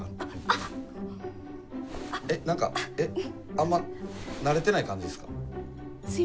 あんま慣れてない感じですか？